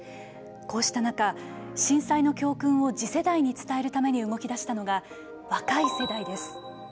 こうした中、震災の教訓を次世代に伝えるために動きだしたのが、若い世代です。